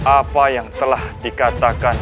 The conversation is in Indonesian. apa yang telah dikatakan